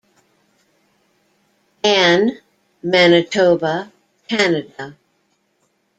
Anne, Manitoba, Canada.